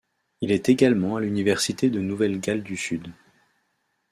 Il est également à l'université de Nouvelle-Galles du Sud.